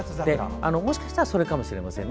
もしかしたらそれかもしれません。